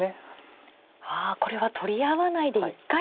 ああこれは取り合わないで一回引くんですね。